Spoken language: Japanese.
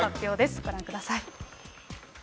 ご覧ください。